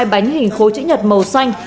hai mươi hai bánh hình khối chữ nhật màu xanh